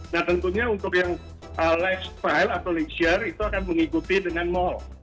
nah tentunya untuk yang life atau lexiar itu akan mengikuti dengan mall